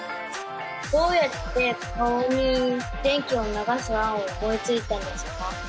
どうやって顔に電気を流す案を思いついたんですか？